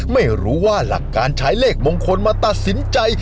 ไม่รู้ว่าหลักการใช้เลขมงคลมาตัดสินใจ